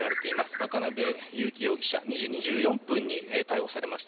渡辺優樹容疑者、２時２４分に逮捕されました。